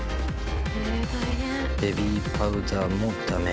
ベビーパウダーもダメ。